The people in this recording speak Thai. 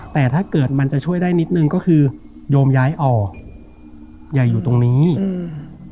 แต่ถ้าเกิดมันจะช่วยได้นิดนึงก็คือโยมย้ายออกอย่าอยู่ตรงนี้อืม